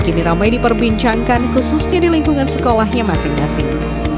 ini perbincangkan khususnya di lingkungan sekolahnya masing masing